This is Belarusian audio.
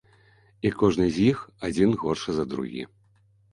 І кожны з іх адзін горшы за другі.